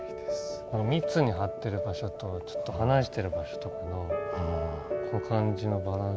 密に貼ってる場所とちょっと離してる場所とかのこの感じのバランスも。